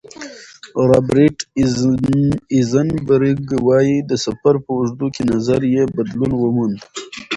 رابرټ ایزنبرګ وايي، د سفر په اوږدو کې نظر یې بدلون وموند.